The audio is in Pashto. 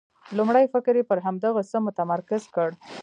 لومړی فکر یې پر همدغه څه متمرکز کړ.